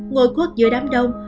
ngồi quất giữa đám đông